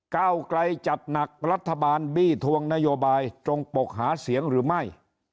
ก้าวไกลจัดหนักรัฐบาลบี้ทวงนโยบายตรงปกหาเสียงหรือไม่